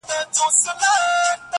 زما پۀ زړۀ بلاندي د تورو ګزارونه كېدل